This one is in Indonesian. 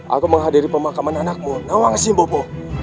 aku menghadiri pemakaman anakmu nawang esim bopo